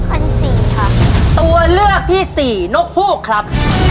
อันสี่ครับตัวเลือกที่สี่นกฮูกครับ